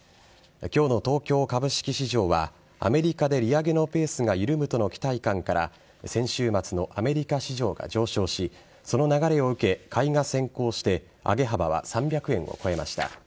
きょうの東京株式市場は、アメリカで利上げのペースが緩むとの期待感から、先週末のアメリカ市場が上昇し、その流れを受け、買いが先行して、上げ幅は３００円を超えました。